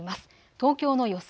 東京の予想